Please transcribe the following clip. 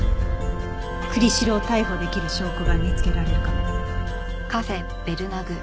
栗城を逮捕できる証拠が見つけられるかも。